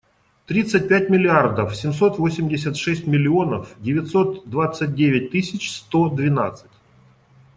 Тридцать пять миллиардов семьсот восемьдесят шесть миллионов девятьсот двадцать девять тысяч сто двенадцать.